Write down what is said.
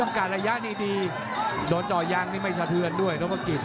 การระยะดีโดนจ่อยางนี่ไม่สะเทือนด้วยนพกิจ